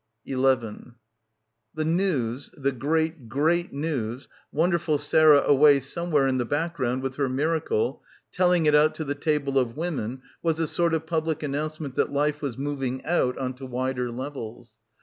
11 The news, the great great news, wonderful Sarah away somewhere in the background with her miracle — telling it out to the table of women was a sort of public announcement that life was moving out on to wider levels.